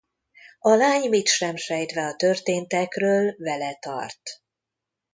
A lány mit sem sejtve a történtekről vele tart.